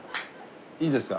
いいですか？